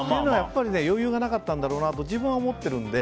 余裕がなかったんだろうなと自分は思ってるので。